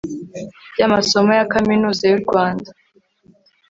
by amasomo ya kaminuza y'u rwanda